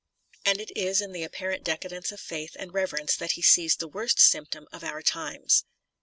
And it is in the apparent decadence of faith and reverence that he sees the worst symptom of our times.